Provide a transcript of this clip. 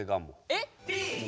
えっ。